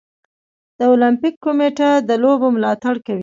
د المپیک کمیټه د لوبو ملاتړ کوي.